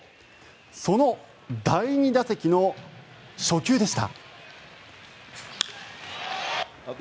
その第２打席の初球でした。